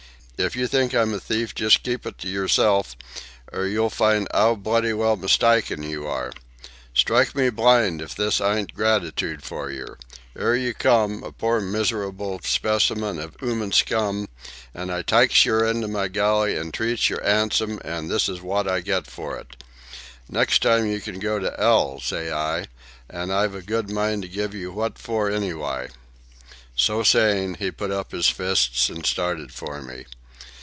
If you think I'm a thief, just keep it to yerself, or you'll find 'ow bloody well mistyken you are. Strike me blind if this ayn't gratitude for yer! 'Ere you come, a pore mis'rable specimen of 'uman scum, an' I tykes yer into my galley an' treats yer 'ansom, an' this is wot I get for it. Nex' time you can go to 'ell, say I, an' I've a good mind to give you what for anyw'y." So saying, he put up his fists and started for me.